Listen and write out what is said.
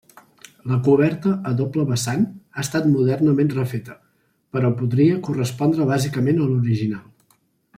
La coberta a doble vessant ha estat modernament refeta, però podria correspondre bàsicament a l'original.